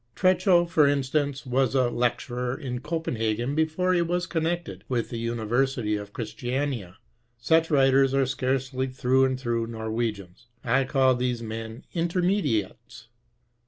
Treschow, for instance, was a Lecturer in Copenhagen beSwe he wm connected with the University of Christiania. Such writers are scarcely through and through Norwegians. I call these men Intermediates.